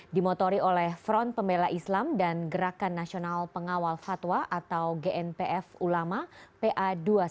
dimotori oleh front pembela islam dan gerakan nasional pengawal fatwa atau gnpf ulama pa dua ratus dua belas